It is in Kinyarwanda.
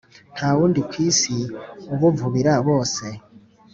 Nta wundi kw’isi ubuvubira bose,